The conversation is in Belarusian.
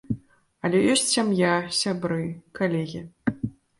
Але ёсць сям'я, сябры, калегі.